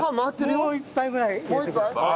もう１杯ぐらい入れてください。